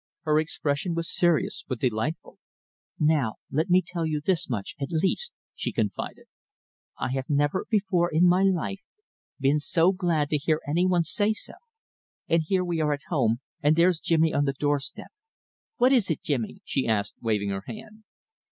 Her expression was serious but delightful. "Well, let me tell you this much, at least," she confided. "I have never before in my life been so glad to hear any one say so.... And here we are at home, and there's Jimmy on the doorstep. What is it, Jimmy," she asked, waving her hand.